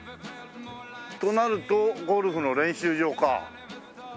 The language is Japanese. となるとゴルフの練習場か。